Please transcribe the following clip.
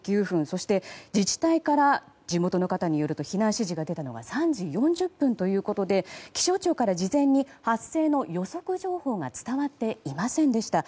そして、自治体から地元の方によると避難指示が出たのが３時４０分ということで気象庁から事前に発生の予測情報が伝わっていませんでした。